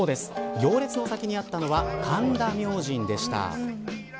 行列の先にあったのは神田明神でした。